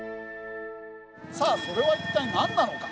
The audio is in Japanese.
さあそれは一体なんなのか。